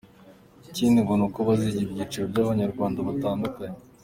Ikindi ngo ni uko bazibanda ku byiciro by’Abanyarwanda batandukanye.